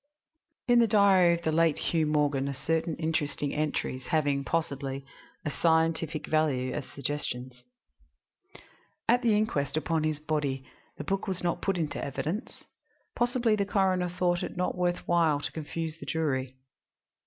IV In the diary of the late Hugh Morgan are certain interesting entries having, possibly, a scientific value as suggestions. At the inquest upon his body the book was not put in evidence; possibly the coroner thought it not worth while to confuse the jury.